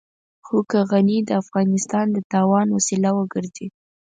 خو که غني د افغانستان د تاوان وسيله وګرځي.